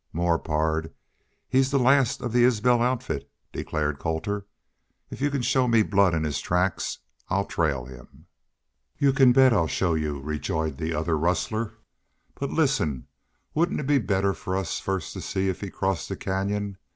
"More, pard. He's the last of the Isbel outfit," declared Colter. "If y'u can show me blood in his tracks I'll trail him." "Y'u can bet I'll show y'u," rejoined the other rustler. "But listen! Wouldn't it be better for us first to see if he crossed the canyon?